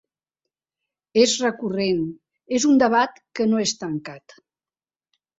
És recurrent, és un debat que no és tancat.